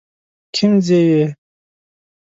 کيم ځي ئې